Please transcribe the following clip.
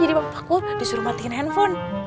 jadi papa aku disuruh matiin handphone